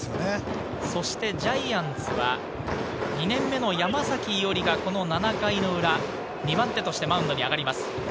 ジャイアンツは２年目の山崎伊織がこの７回の裏、２番手としてマウンドに上がります。